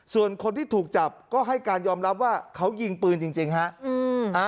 ส่วนคนที่ถูกจับก็ให้การยอมรับว่าเขายิงปืนจริงฮะ